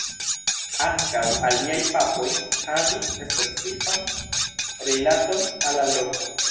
Ankaŭ aliaj papoj havis specifan rilaton al la loko.